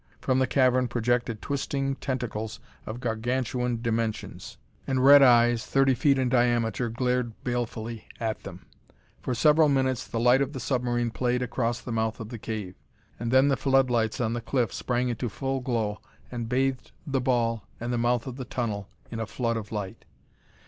From the cavern projected twisting tentacles of gargantuan dimensions, and red eyes, thirty feet in diameter, glared balefully at them. For several minutes the light of the submarine played across the mouth of the cave, and then the floodlights on the cliff sprang into full glow and bathed the ball and the mouth of the tunnel in a flood of light.